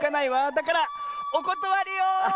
だからおことわりよ！